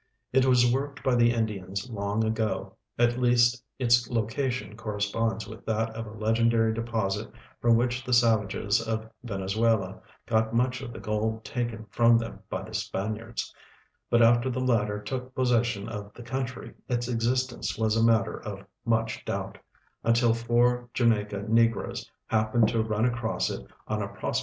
It was Avorked Ijy the Indians long ago ; at least its location corresponds Avith that of a legendary de})Osit fi'om Avhich the saA'ages of Venezuela got much of the gold taken from them by the S])aniards, hut after the latter took possession of the coun try its existence AA'as a matter of much doubt, until four Jamaica negroes hajq)ened to run across it on a prospecting tour.